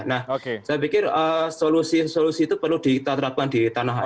nah saya pikir solusi solusi itu perlu kita terapkan di tanah air